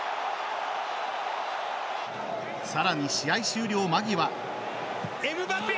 さらに、試合終了間際。